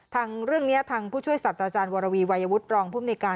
เรื่องนี้ทางผู้ช่วยสัตว์อาจารย์วรวีวัยวุฒิรองภูมิในการ